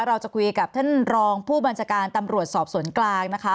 เราจะคุยกับท่านรองผู้บัญชาการตำรวจสอบสวนกลางนะคะ